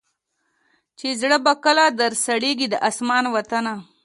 چي زړه به کله در سړیږی د اسمان وطنه